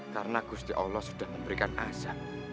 karena gusti allah sudah memberikan azam